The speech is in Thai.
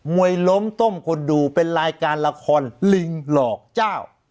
วยล้มต้มคนดูเป็นรายการละครลิงหลอกเจ้า